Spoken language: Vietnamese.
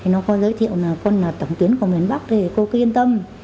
nó có giới thiệu là con là tổng tuyến của miền bắc thì cô cứ yên tâm